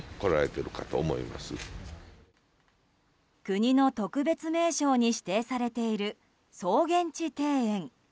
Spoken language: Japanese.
国の特別名勝に指定されている曹源池庭園。